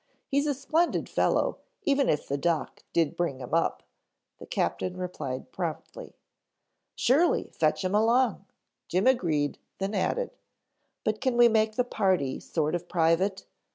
He's a splendid fellow even if the doc did bring him up," the captain replied promptly. "Surely, fetch him along," Jim agreed, then added, "But can we make the party sort of private!